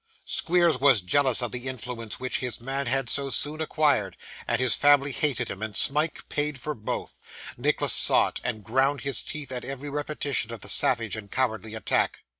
Squeers was jealous of the influence which his man had so soon acquired, and his family hated him, and Smike paid for both. Nicholas saw it, and ground his teeth at every repetition of the savage and cowardly attack.